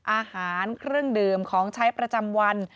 อาหารเครื่องดื่มของใช้ประจำวัน